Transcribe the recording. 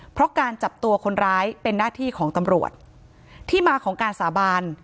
เพราะการจับตัวคนร้ายเป็นหน้าที่ของตำรวจที่มาของการสาบาน